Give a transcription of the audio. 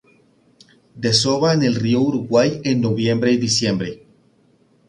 Desova en el río Uruguay en noviembre y diciembre.